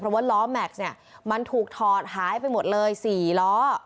เพราะว่าล้อแม็กซ์เนี่ยมันถูกถอดหายไปหมดเลย๔ล้อ